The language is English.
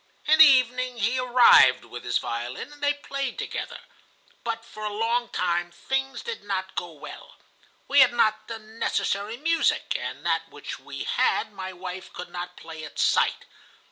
In the evening he arrived with his violin, and they played together. But for a long time things did not go well; we had not the necessary music, and that which we had my wife could not play at sight.